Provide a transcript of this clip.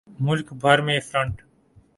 ملک بھر میں فرنٹ